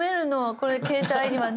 これ携帯にはね。